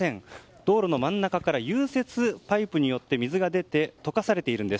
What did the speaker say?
道路の真ん中から融雪パイプによって水が出て溶かされているんです。